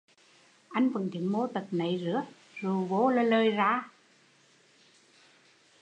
Anh vẫn chứng mô tật nấy, rượu vô là lời ra